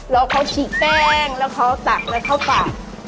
แล้วเขาฉีกแป้งแล้วเขาตักแล้วเข้าปาก